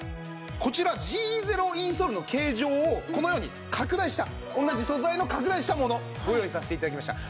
こちらＧゼロインソールの形状をこのように拡大した同じ素材の拡大したものご用意させて頂きました。